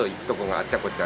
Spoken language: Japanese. あっちゃこっちゃ？